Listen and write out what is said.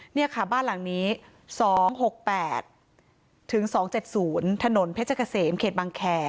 นี่ค่ะบ้านหลังนี้๒๖๘ถึง๒๗๐ถนนเพชรเกษมเขตบางแคร์